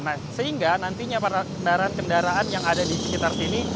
nah sehingga nantinya para kendaraan kendaraan yang ada di sekitar sini